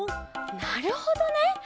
なるほどね！